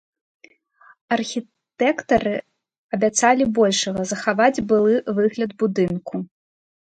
Архітэктары абяцалі большага захаваць былы выгляд будынку.